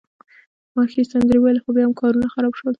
ما ښې سندرې وویلي، خو بیا هم کارونه خراب شول.